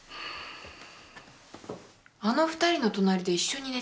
あの２人の隣で一緒に寝たい？